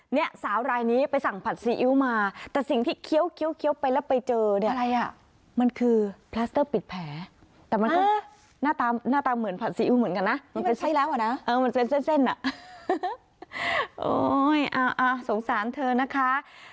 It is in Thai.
นี่มันใช้แล้วก่อนนะเออมันเส้นอ่ะโอ๊ยสงสารเธอนะคะ